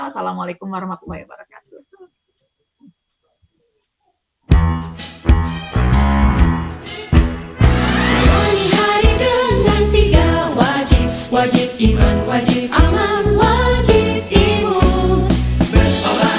wassalamualaikum warahmatullahi wabarakatuh